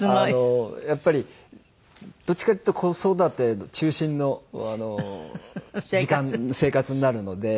やっぱりどっちかっていうと子育て中心の時間生活になるので。